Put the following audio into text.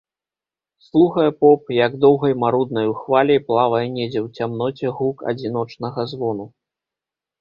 Слухае поп, як доўгай, маруднаю хваляй плавае недзе ў цямноце гук адзіночнага звону.